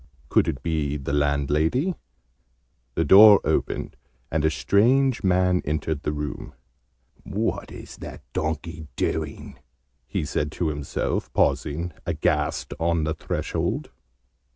Could it be the landlady? The door opened, and a strange man entered the room. "What is that donkey doing?" he said to himself, pausing, aghast, on the threshold.